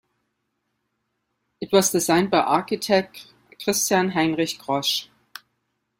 It was designed by architect Christian Heinrich Grosch.